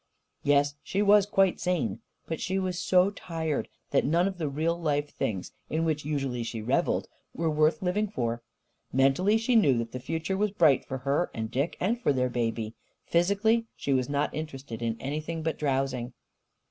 Yes, she was quite sane. But she was so tired that none of the real life things, in which usually she revelled, were worth living for. Mentally, she knew that the future was bright for her and for Dick and for their baby. Physically, she was not interested in anything but drowsing.